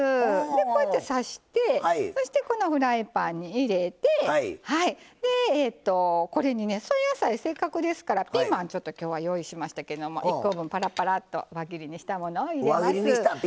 でこうやって刺してそしてこのフライパンに入れてこれにね添え野菜せっかくですからピーマンちょっと今日は用意しましたけども１コ分ぱらぱらっと輪切りにしたものを入れます。